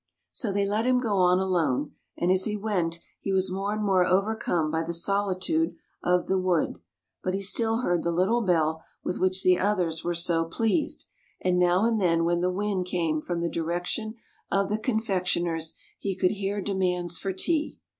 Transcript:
So they let him go on alone, and as he went he was more and more overcome by the solitude of the wood; but he still heard the little bell with which the others were so pleased, and now and then when the wind came from the direction of the confectioners he could hear demands for tea.